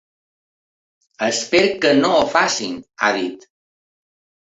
Espero que no ho facin, ha dit.